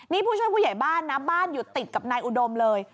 นี่ผู้ช่วยผู้ใหญ่บ้านนะบ้านอยู่ติดกับนายอุดมเลย